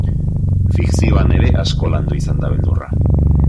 Fikzioan ere asko landu izan da beldurra.